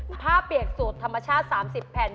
ผ้าเปียกสูตรธรรมชาติ๓๐แผ่น